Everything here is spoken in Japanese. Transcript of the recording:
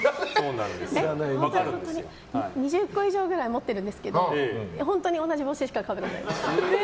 ２０個以上くらい持ってるんですけど本当に同じ帽子しかかぶらないです。